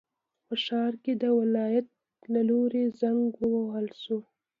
په ښار کې د ولایت له لوري زنګ ووهل شو.